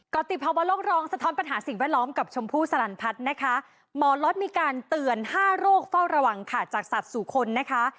ก็ติดเพราะว่าโรคร้องสะท้อนปัญหาสิ่งแวดล้อมกับชมพู่สลันพัฒน์นะคะมลมีการเตือนห้าโรคเฝ้าระหวังขาดจากสัตว์สู่คนนะคะ